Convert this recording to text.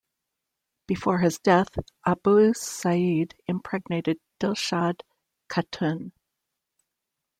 Before his death, Abu Sa'id impregnated Dilshad Khatun.